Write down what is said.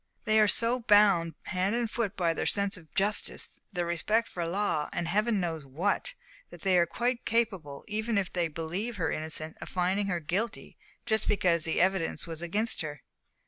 they are so bound hand and foot by their sense of justice, their respect for law, and Heaven knows what! that they are quite capable, even if they believe her innocent, of finding her guilty, just because the evidence was against her."